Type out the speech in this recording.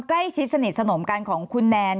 ใกล้ชิดสนิทสนมกันของคุณแนน